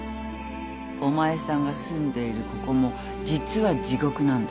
お前さんが住んでいるここも実は地獄なんだよ。